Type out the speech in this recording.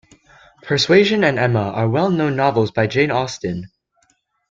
Persuasion and Emma are well-known novels by Jane Austen